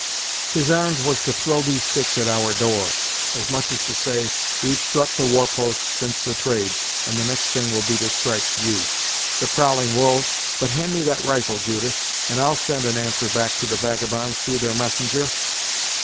His ar'n'd was to throw these sticks at our door, as much as to say, we've struck the war post since the trade, and the next thing will be to strike you." "The prowling wolves! But hand me that rifle, Judith, and I'll send an answer back to the vagabonds through their messenger."